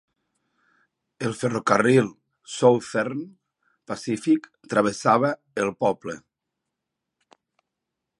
El ferrocarril Southern Pacific travessava el poble.